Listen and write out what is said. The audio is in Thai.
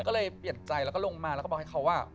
ก็เลยเปลี่ยนใจแล้วก็ลงมาแล้วก็บอกให้เขา